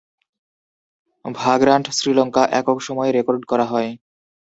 ভাগ্রান্ট শ্রীলঙ্কা, একক সময়ে রেকর্ড করা হয়।